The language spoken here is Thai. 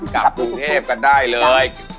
กลับกรุงเทพกันได้เลย